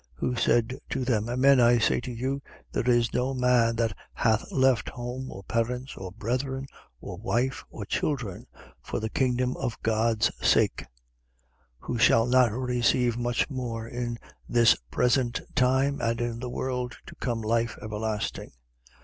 18:29. Who said to them: Amen, I say to you, there is no man that hath left home or parents or brethren or wife or children, for the kingdom of God's sake, 18:30. Who shall not receive much more in this present time, and in the world to come life everlasting.